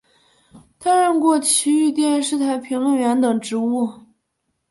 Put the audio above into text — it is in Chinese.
担任过崎玉电视台评论员等职务。